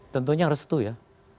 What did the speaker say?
tentunya restu ya